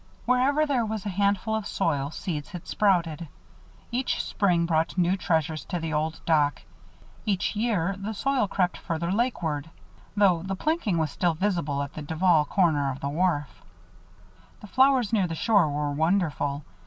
Wherever there was a handful of soil, seeds had sprouted. Each spring brought new treasures to the old dock; each year the soil crept further lakeward; though the planking was still visible at the Duval corner of the wharf. The flowers near the shore were wonderful.